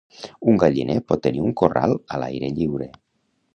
Un galliner pot tenir un corral a l'aire lliure.